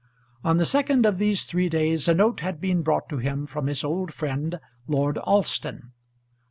On the second of these three days a note had been brought to him from his old friend Lord Alston.